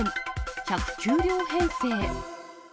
１０９両編成。